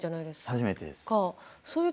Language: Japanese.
初めてです。